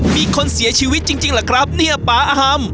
มีคนเสียชีวิตจริงเหรอครับเนี่ยป๊าอฮัม